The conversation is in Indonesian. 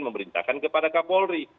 memerintahkan kepada kapolri